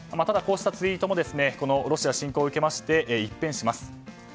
ただ、こうしたツイートもこのロシア侵攻を受けまして一変します。